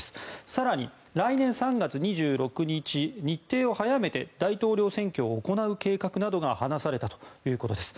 更に、来年３月２６日日程を早めて大統領選挙を行う計画などが話されたということです。